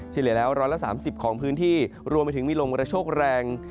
เสียเหลือแล้วร้อนละสามสิบของพื้นที่รวมไปถึงมีลมกระโชคแรง